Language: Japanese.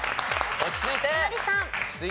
落ち着いてはい。